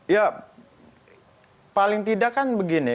ya paling tidak kan begini